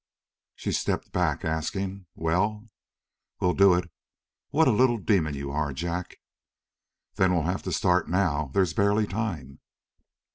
She stepped back, asking: "Well?" "We'll do it. What a little demon you are, Jack!" "Then we'll have to start now. There's barely time."